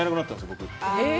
僕。